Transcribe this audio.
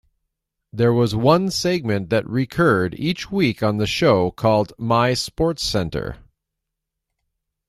There was one segment that recurred each week on the show called My SportsCenter.